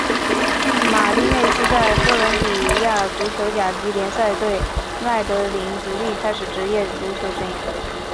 马丁内斯在哥伦比亚足球甲级联赛球队麦德林独立开始职业足球生涯。